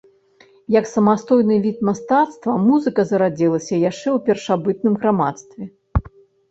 Як самастойны від мастацтва музыка зарадзілася яшчэ ў першабытным грамадстве.